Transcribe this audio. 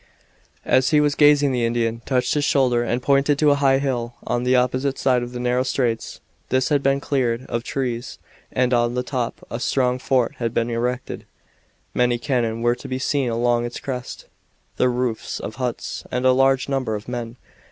As he was gazing the Indian touched his shoulder and pointed to a high hill on the opposite side of the narrow straits. This had been cleared of trees and on the top a strong fort had been erected. Many cannon were to be seen along its crest, the roofs of huts, and a large number of men.